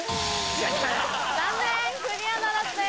残念クリアならずです。